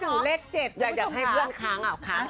อยากให้เพื่อนข้างอ่ะ